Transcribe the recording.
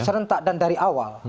serentak dan dari awal